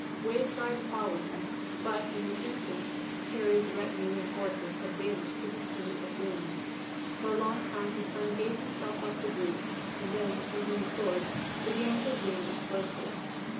Wei tried to follow him; but, in an instant, carriage, retinue, and horses, had vanished with the speed of wind. For a long time his son gave himself up to grief, and then seizing the sword began to examine it closely.